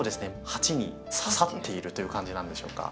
鉢にささっているという感じなんでしょうか。